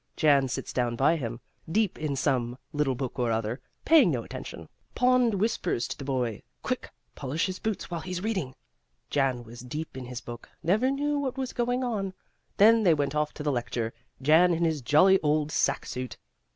Jan sits down by him, deep in some little book or other, paying no attention. Pond whispers to the boy, 'Quick, polish his boots while he's reading.' Jan was deep in his book, never knew what was going on. Then they went off to the lecture, Jan in his jolly old sack suit."